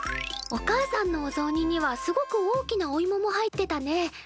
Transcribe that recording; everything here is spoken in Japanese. おかあさんのおぞうににはすごく大きなお芋も入ってたね。